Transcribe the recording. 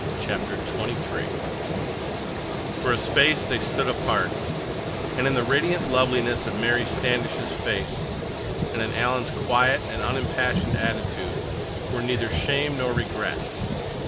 CHAPTER XXIII For a Space they stood apart, and in the radiant loveliness of Mary Standish's face and in Alan's quiet and unimpassioned attitude were neither shame nor regret.